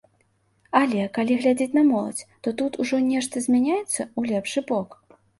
Але калі глядзець на моладзь, то тут ужо нешта змяняецца ў лепшы бок?